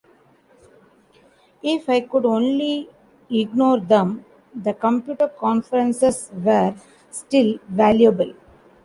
If I could only ignore them, the computer conferences were still valuable.